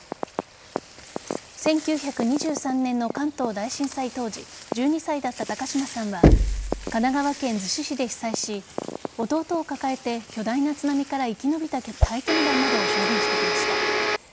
１９２３年の関東大震災当時１２歳だった高嶋さんは神奈川県逗子市で被災し弟を抱えて、巨大な津波から生き延びた体験談などを証言してきました。